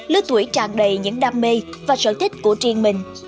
lứa tuổi tràn đầy những đam mê và sở thích của riêng mình